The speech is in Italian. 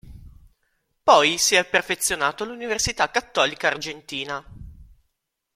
Poi si è perfezionato all'Università Cattolica Argentina.